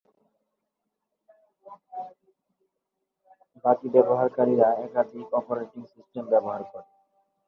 বাকি ব্যবহারকারীরা একাধিক অপারেটিং সিস্টেম ব্যবহার করে।